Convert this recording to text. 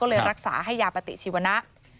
ก็เลยรักษาให้ยาปฏิชีวนะ